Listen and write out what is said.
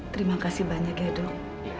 terima kasih banyak ya dok